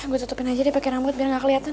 gue tutupin aja deh pake rambut biar gak keliatan